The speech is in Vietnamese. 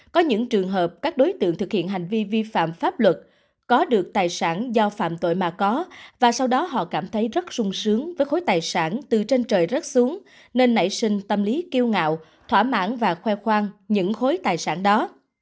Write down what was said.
có những trường hợp các đối tượng thực hiện hành vi vi phạm pháp luật có được tài sản do phạm tội mà có và sau đó họ cảm thấy rất sung sướng với khối tài sản từ trên trời rớt xuống nên nảy sinh tâm lý kiêu ngạo thỏa mãn và khoe khoang những khối tài sản đó